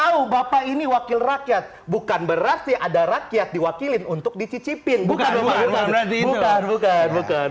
tahu bapak ini wakil rakyat bukan berarti ada rakyat diwakilin untuk dicicipin bukan bukan